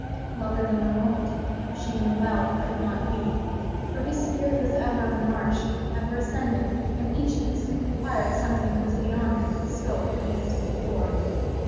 Longer than one moment she well knew it could not be; for his spirit was ever on the march, ever ascending, and each instant required something that was beyond the scope of the instant before.